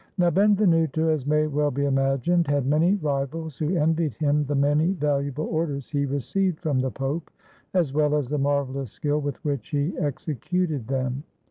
Now, Benvenuto, as may well be imagined, had many rivals, who envied him the many valuable orders he received from the Pope, as well as the marvelous skill with which he executed them.